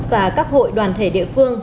và các hội đoàn thể địa phương